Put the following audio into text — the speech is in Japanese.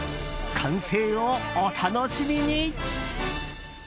完成をお楽しみに！